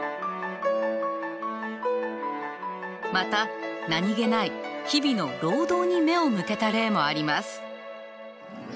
また何気ない日々の労働に目を向けた例もあります。